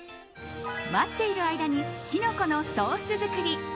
待っている間にキノコのソース作り。